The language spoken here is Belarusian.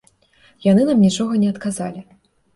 Яны нам нічога не адказалі.